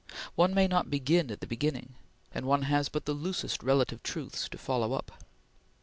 One may not begin at the beginning, and one has but the loosest relative truths to follow up.